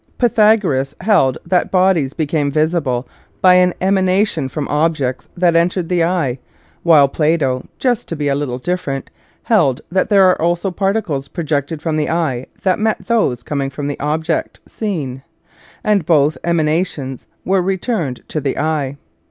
Pythagoras held that bodies became visible by an emanation from objects that en tered the eye, while Plato — just to be a little difFerent — held that there were also particles projected from the eye that met those coming from the object seen, and both emanations were returned to the eye.